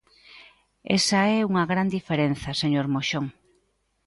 Esa é unha gran diferenza, señor Moxón.